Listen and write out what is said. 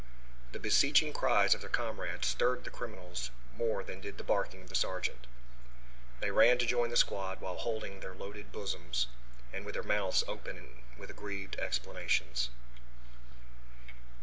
The beseeching cries of their comrades stirred the criminals more than did the barking of the sergeant. They ran to rejoin the squad, while holding their loaded bosoms and with their mouths open with aggrieved explanations.